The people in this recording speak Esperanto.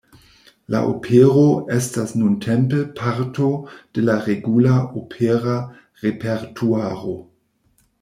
La opero estas nuntempe parto de la regula opera repertuaro.